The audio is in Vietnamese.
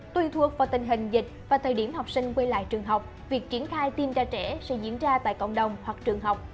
tùy thuộc vào tình hình dịch và thời điểm học sinh quay lại trường học việc triển khai tiêm cho trẻ sẽ diễn ra tại cộng đồng hoặc trường học